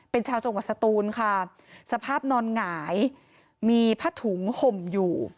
เป็นชาวจังหวัดสตูนค่ะสภาพนอนหงายมีผ้าถุงห่มอยู่